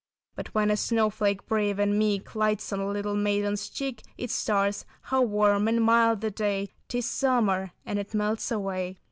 "But when a snowflake brave and meek Lights on a little maiden's cheek, It starts—how warm and mild the day, 'Tis summer; and it melts away."